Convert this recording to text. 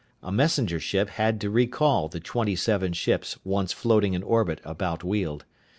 A messenger ship had to recall the twenty seven ships once floating in orbit about Weald.